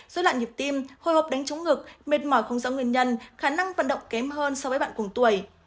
dối loạn nhịp tim hô hộp đánh trúng ngực mệt mỏi không giống nguyên nhân khả năng vận động kém hơn so với bạn cùng tuổi